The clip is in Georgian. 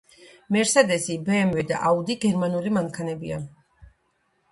მერსედსი ბეემვე და აუდი გერმანული მანქანებია